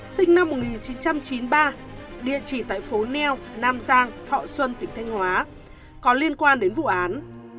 sinh năm một nghìn chín trăm chín mươi ba địa chỉ tại phố neo nam giang thọ xuân tỉnh thanh hóa có liên quan đến vụ án